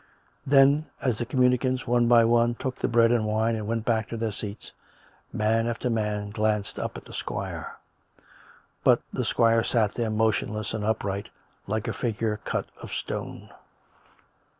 COME ROPE! Then, as the communicants, one by one, took the bread and wine and went back to their seats, man after man glanced up at the squire. But the squire sat there, motionless and upright, like a figure cut of stone.